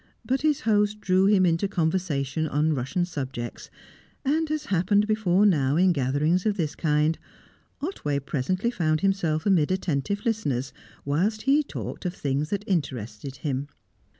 But his host drew him into conversation on Russian subjects, and, as had happened before now in gatherings of this kind, Otway presently found himself amid attentive listeners, whilst he talked of things that interested him.